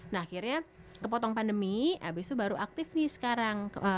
nah akhirnya kepotong pandemi abis itu baru aktif nih sekarang